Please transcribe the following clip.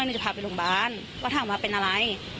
ไม่นึกจะพาไปโรงพยาบาลว่าถ้าหมาเป็นอะไร